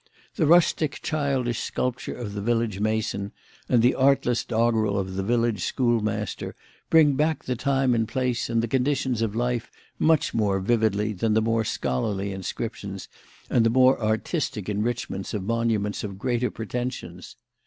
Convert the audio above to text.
The rustic, childish sculpture of the village mason and the artless doggerel of the village schoolmaster, bring back the time and place and the conditions of life much more vividly than the more scholarly inscriptions and the more artistic enrichments of monuments of greater pretensions.